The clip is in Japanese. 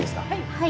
はい。